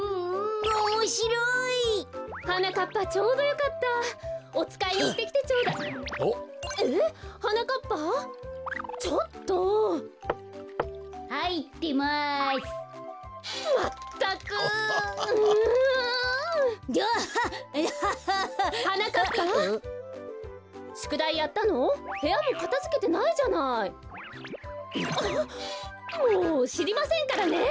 もうしりませんからね！